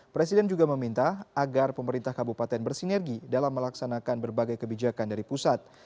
presiden juga meminta agar pemerintah kabupaten bersinergi dalam melaksanakan berbagai kebijakan dari pusat